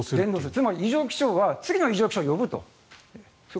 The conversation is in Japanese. つまり異常気象は次の異常気象を呼ぶと。